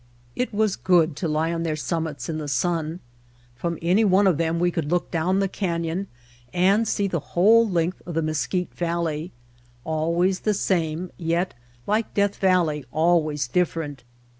It was good to lie on their summits in the sun. From any one of them we could look down the canyon and see the whole length of the Mes quite Valley, always the same, yet, like Death Valley, always different.